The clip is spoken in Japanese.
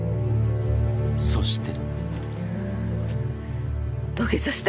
そして］